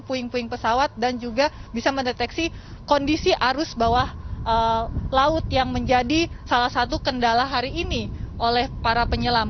puing puing pesawat dan juga bisa mendeteksi kondisi arus bawah laut yang menjadi salah satu kendala hari ini oleh para penyelam